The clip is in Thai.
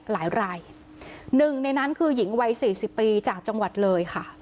รายหนึ่งในนั้นคือหญิงวัยสี่สิบปีจากจังหวัดเลยค่ะ